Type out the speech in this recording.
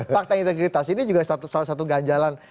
fakta integritas ini juga salah satu ganjalan